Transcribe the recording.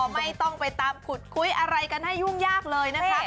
ไม่ต้องไปตามขุดคุยอะไรกันให้ยุ่งยากเลยนะคะ